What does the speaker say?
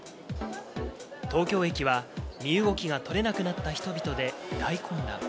東京駅は身動きが取れなくなった人々で大混乱。